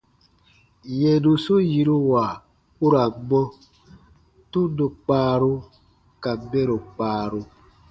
Yɛnusu yiruwa u ra n mɔ : tundo kpaaru ka mɛro kpaaru.